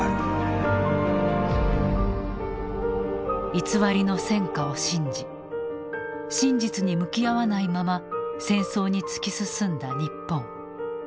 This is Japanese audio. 偽りの戦果を信じ真実に向き合わないまま戦争に突き進んだ日本。